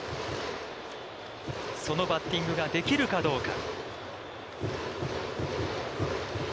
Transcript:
そのバッティングができるかどうか。